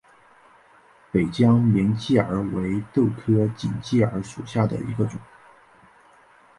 北疆锦鸡儿为豆科锦鸡儿属下的一个种。